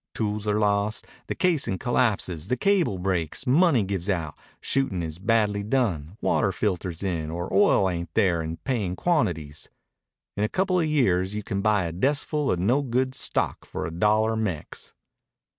Tools are lost, the casin' collapses, the cable breaks, money gives out, shootin' is badly done, water filters in, or oil ain't there in payin' quantities. In a coupla years you can buy a deskful of no good stock for a dollar Mex."